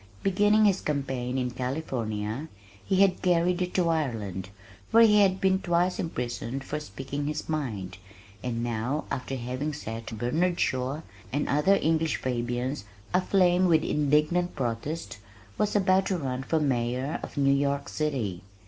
Beginning his campaign in California he had carried it to Ireland, where he had been twice imprisoned for speaking his mind, and now after having set Bernard Shaw and other English Fabians aflame with indignant protest, was about to run for mayor of New York City.